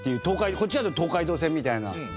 こっちだと東海道線みたいなカラー。